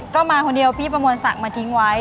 ก็มาคนเดียวพี่ประมวลศักดิ์มาทิ้งไว้